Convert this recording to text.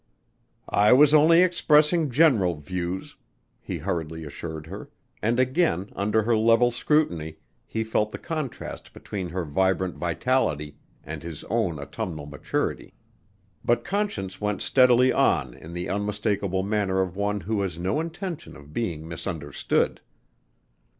"I was only expressing general views," he hurriedly assured her, and again under her level scrutiny, he felt the contrast between her vibrant vitality and his own autumnal maturity. But Conscience went steadily on in the unmistakable manner of one who has no intention of being misunderstood.